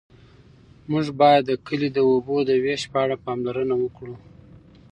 موږ باید د کلي د اوبو د وېش په اړه پاملرنه وکړو.